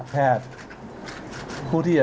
พร้อมแล้วเลยค่ะ